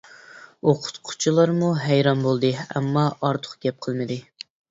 ئوقۇتقۇچىلارمۇ ھەيران بولدى، ئەمما ئارتۇق گەپ قىلمىدى.